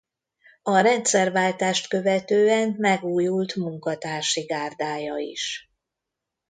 A rendszerváltást követően megújult munkatársi gárdája is.